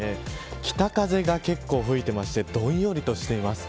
北風が結構、吹いてましてどんよりとしています。